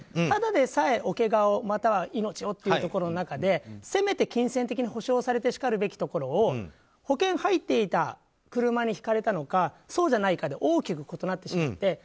ただでさえ、けがをまたは命をというところの中でせめて金銭的に補償されてしかるべきところを保険に入っていた車にひかれたのかそうじゃないかで大きく異なってしまって。